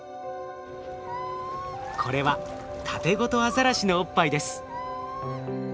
これはタテゴトアザラシのおっぱいです。